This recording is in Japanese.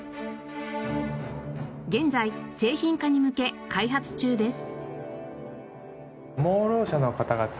現在製品化に向け開発中です。